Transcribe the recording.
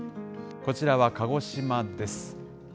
こちらは鹿児島です。